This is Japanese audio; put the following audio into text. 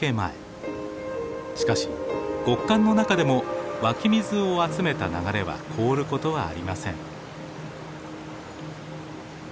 しかし極寒の中でも湧き水を集めた流れは凍ることはありません。